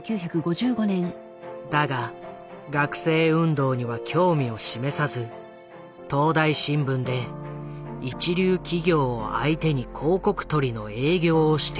だが学生運動には興味を示さず東大新聞で一流企業を相手に広告取りの営業をしていた。